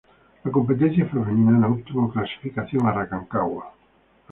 La competencia femenina no obtuvo clasificación a Rancagua.